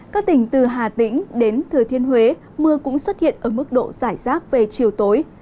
các tỉnh từ hà tĩnh đến thừa thiên huế mưa cũng xuất hiện ở mức độ giải rác về chiều tối